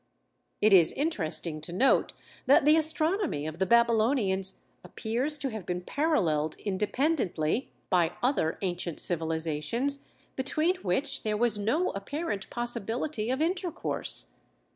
It is interesting to note that the astronomy of the Babylonians appears to have been paralleled independently by other ancient civilizations between which there was no apparent possibility of intercourse.